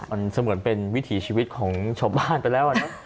มันเสมือนเป็นวิถีชีวิตของชาวบ้านไปแล้ว